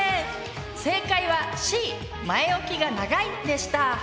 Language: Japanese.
正解はＣ「前置きが長い」でした。